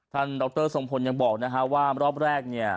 ดรทรงพลยังบอกนะฮะว่ารอบแรกเนี่ย